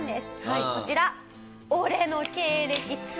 はいこちら。